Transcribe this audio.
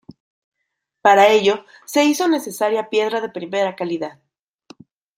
Para ello se hizo necesaria piedra de primera calidad.